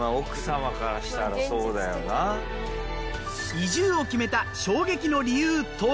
移住を決めた衝撃の理由とは？